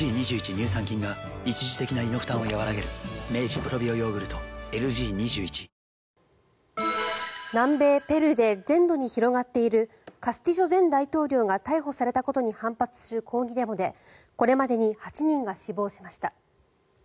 乳酸菌が一時的な胃の負担をやわらげる南米ペルーで全土に広がっているカスティジョ前大統領が逮捕されたことに反発する抗議デモでこれまでに８人が死亡しました。